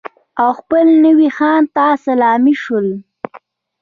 او خپل نوي خان ته سلامي شول.